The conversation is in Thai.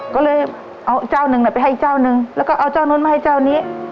ก็เลยเอาเจ้าหนึ่งไปให้เจ้านึงแล้วก็เอาเจ้านู้นมาให้เจ้านี้